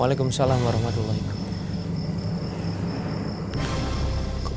waalaikumsalam warahmatullahi wabarakatuh